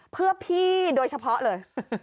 เพื่อพี่โดยเฉพาะเลย